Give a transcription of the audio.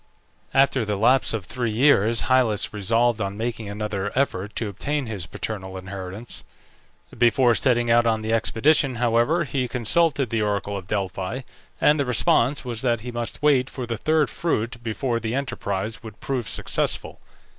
After the lapse of three years Hyllus resolved on making another effort to obtain his paternal inheritance. Before setting out on the expedition, however, he consulted the oracle of Delphi, and the response was, that he must wait for the third fruit before the enterprise would prove successful.